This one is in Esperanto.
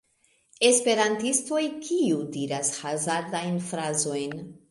Esperantistoj kiu diras hazardajn frazojn